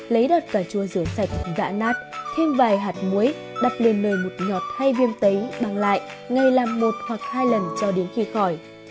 lấy đợt cà chua rửa sạch dã nát thêm vài hạt muối đắp lên nơi mụt nhọt hay viêm tấy băng lại ngay làm một hoặc hai lần cho đến khi khỏi